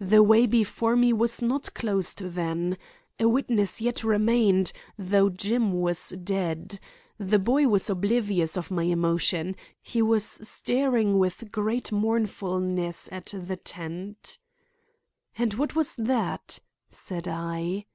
The way before me was not closed then. A witness yet remained, though Jim was dead. The boy was oblivious of my emotion; he was staring with great mournfulness at the tent. "And what was that?" said I.